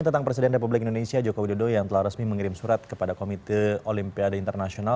tentang presiden republik indonesia joko widodo yang telah resmi mengirim surat kepada komite olimpiade internasional